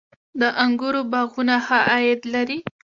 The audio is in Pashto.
د انګورو باغونه ښه عاید لري؟